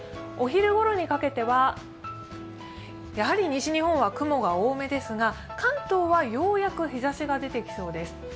お昼ごろにかけてはやはり西日本は雲が多めですが、関東はようやく日ざしが出てきそうです。